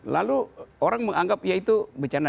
lalu orang menganggap ya itu bencana